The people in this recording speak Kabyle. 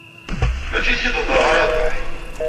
Mačči yid-k i d-heddreɣ a Rabaḥ.